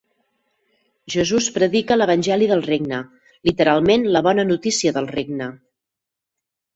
Jesús predica l'evangeli del regne, literalment la bona notícia del regne.